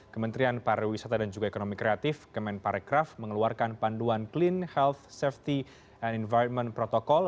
kementerian pariwisata dan juga ekonomi kreatif kemenparekraf mengeluarkan panduan clean health safety and environment protokol